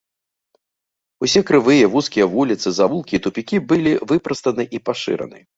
Усе крывыя, вузкія вуліцы, завулкі і тупікі былі выпрастаны і пашыраны.